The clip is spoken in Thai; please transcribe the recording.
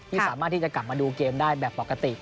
สามารถที่จะกลับมาดูเกมได้แบบปกติ